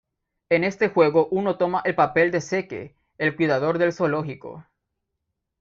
En este juego uno toma el papel de Zeke, el cuidador del zoológico.